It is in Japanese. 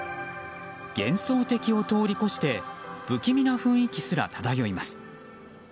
幻想的を通り越して不気味な雰囲気すら漂います。